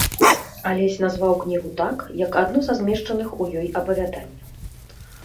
Алесь назваў кнігу так, як адно са змешчаных у ёй апавяданняў.